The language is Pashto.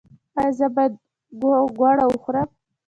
ایا زه باید ګوړه وخورم؟